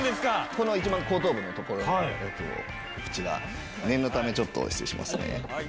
この一番後頭部の所にあるやつをこちら念のためちょっと失礼しますね。